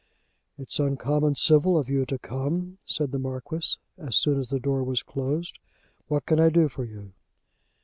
"It's uncommon civil of you to come," said the Marquis as soon as the door was closed. "What can I do for you?"